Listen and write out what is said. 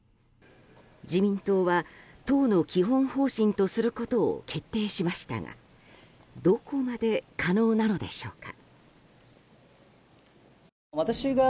自民党は党の基本方針とすることを決定しましたがどこまで可能なのでしょうか。